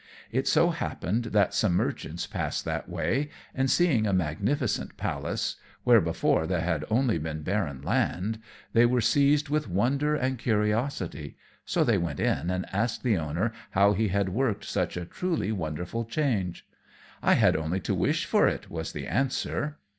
It so happened that some merchants passed that way, and seeing a magnificent palace, where before there had only been barren land, they were seized with wonder and curiosity, so they went in and asked the owner how he had worked such a truly wonderful change. "I had only to wish for it," was the answer.